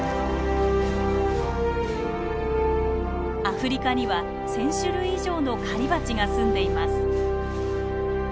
アフリカには１，０００種類以上の狩りバチがすんでいます。